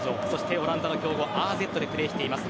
オランダの強豪ＡＺでプレーしています。